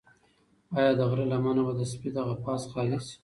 ایا د غره لمنه به د سپي له غپا څخه خالي شي؟